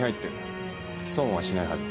損はしないはずだ。